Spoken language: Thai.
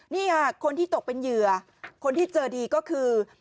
นี่ค่ะคนที่ตกเป็นเหยื่อคนที่เจอดีก็คือ